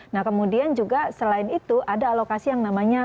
nah kemudian juga selain itu ada alokasi yang namanya